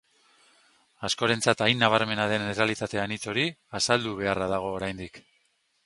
Askorentzat hain nabarmena den errealitate anitz hori azaldu beharra dago oraindik.